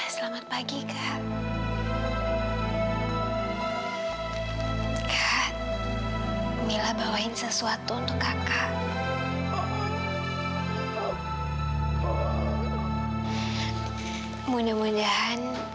sampai jumpa di video selanjutnya